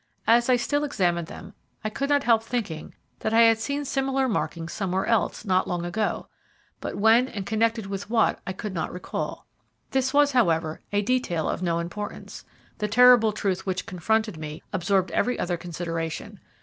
As I still examined them, I could not help thinking that I had seen similar markings somewhere else not long ago, but when and connected with what I could not recall. This was, however, a detail of no importance. The terrible truth which confronted me absorbed every other consideration.